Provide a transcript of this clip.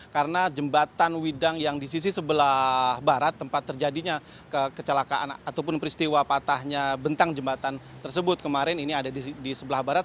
karena jembatan widang yang di sisi sebelah barat tempat terjadinya kecelakaan ataupun peristiwa patahnya bentang jembatan tersebut kemarin ini ada di sebelah barat